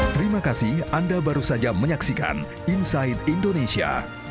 terima kasih anda baru saja menyaksikan inside indonesia